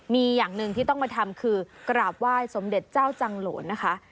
มีอย่างหนึ่งที่ต้องมาทำคือกราบไหว้สมเด็จเจ้าจังโหลนนะคะ